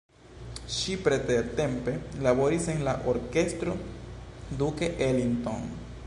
Ŝi pretertempe laboris en la Orkestro Duke Ellington.